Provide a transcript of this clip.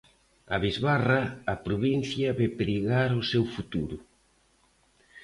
A bisbarra, a provincia ve perigar o seu futuro.